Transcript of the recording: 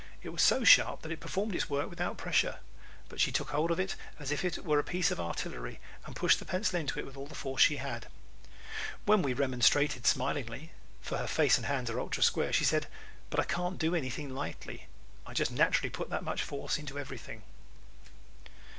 It was so sharp that it performed its work without pressure. But she took hold of it as if it were a piece of artillery and pushed the pencil into it with all the force she had. When we remonstrated smilingly for her face and hands are ultra square she said, "But I can't do anything lightly. I just naturally put that much force into everything."